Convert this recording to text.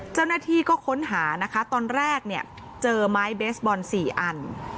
เจ้าหน้าที่ก็ค้นหานะคะตอนแรกเนี่ยเจอไม้เบสบอล๔อัน